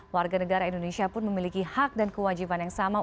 warga negara indonesia pun memiliki hak dan kewajiban yang sama